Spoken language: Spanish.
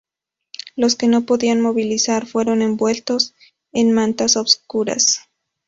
Los que no se podían movilizar fueron envueltos en mantas oscuras.